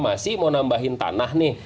ini reklamasi mau nambahin tanah nih